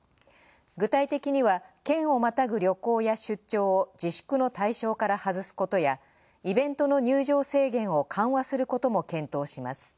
具体的には、県をまたぐ旅行や出張を自粛の対象から外すことや、イベントの入場制限を緩和することも検討します。